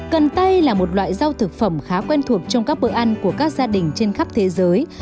cần tây là một loại rau thực phẩm khá quen thuộc trong các bữa ăn của các gia đình trên khắp thế giới